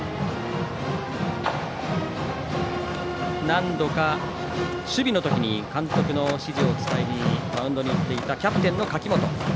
何度か守備の時監督の指示を伝えにマウンドに行っていたキャプテンの柿本。